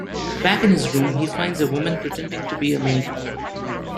Back in his room, he finds a woman pretending to be a maid.